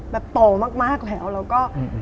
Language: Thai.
โตมากแล้วแล้วก็